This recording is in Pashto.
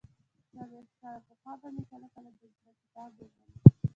څلوېښت کاله پخوا به مې کله کله د زړه کتاب وموند.